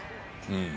うん。